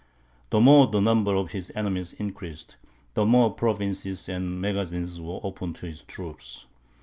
The more the number of his enemies increased, the more provinces and magazines were opened to his troops.